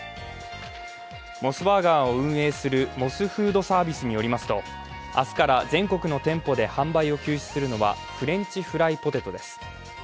モスバーガーを運営するモスフードサービスによりますと明日から全国の店舗で販売を休止するのはフレンチフライポテトです。